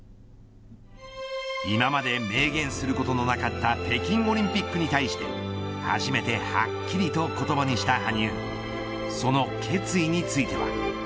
今まで明言することのなかった北京オリンピックに対して初めてはっきりと言葉にした羽生その決意については。